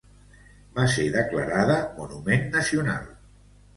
Va ser declarada Monument Nacional.